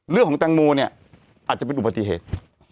เรื่องของแตงโมเนี่ยอาจจะเป็นอุบัติเหตุ